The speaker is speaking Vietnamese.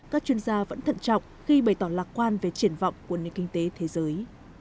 các chuyên gia vẫn thận trọng khi bày tỏ lạc quan về triển vọng của nền kinh tế thế giới